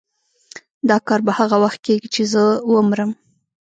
دا کار به هغه وخت کېږي چې زه ومرم.